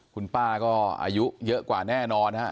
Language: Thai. คุณป้าก็อายุเยอะกว่าแน่นอนฮะ